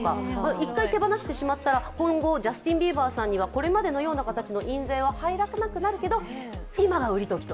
一回手放してしまったら、今後ジャスティン・ビーバーさんにはこれまでのような形の印税は入らなくなるけど、今が売り時と。